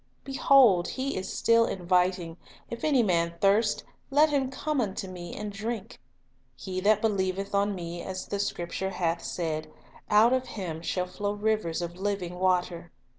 Behold, He is still inviting: "If any man thirst, let him come unto Me, and drink. He that believeth on Me, as the Scripture hath said," out of him "shall flow rivers of living water."